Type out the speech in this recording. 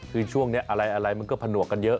คือช่วงนี้อะไรมันก็ผนวกกันเยอะ